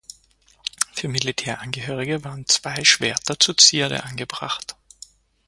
Für Militärangehörige waren zwei Schwerter zur Zierde angebracht.